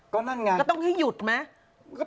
ก็ต้องให้หยุดไหม